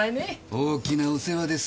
大きなお世話です。